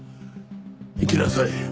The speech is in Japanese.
行きなさい。